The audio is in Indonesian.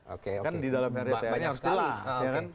oke oke banyak sekali